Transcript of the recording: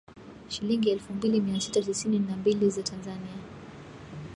Shilingi elfu mbili mia sita tisini na mbili za Tanzania